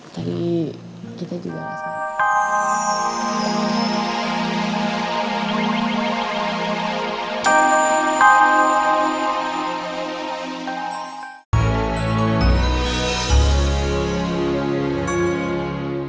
tadi kita juga